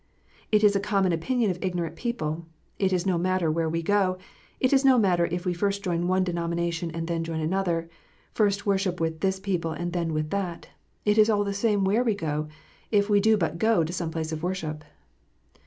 It is a common opinion of ignorant people, " It is no matter where we go. It is no matter if we first join one denomination and then join another; first worship with this people and then with that. It is all the same where we go, if we do but go to some place of worship."